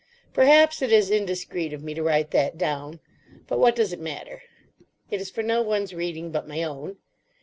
Perhaps it is indiscreet of me to write that down. But what does it matter? It is for no one's reading but my own.